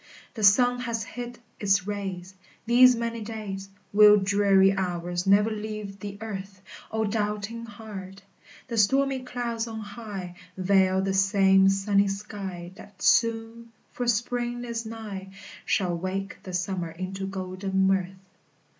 The sun has hid its rays These many days; Will dreary hours never leave the earth? O doubting heart! The stormy clouds on high Veil the same sunny sky That soon, for spring is nigh, Shall wake the summer into golden mirth.